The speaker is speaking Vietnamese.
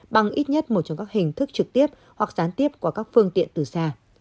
bằng ít nhất một trong các hình thức trực tiếp hoặc gián tiếp qua các phương tiện từ xa